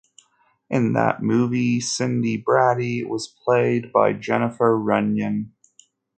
In that movie, Cindy Brady was played by Jennifer Runyon.